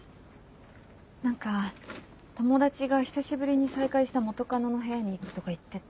何か友達が久しぶりに再会した元カノの部屋に行くとか言ってて。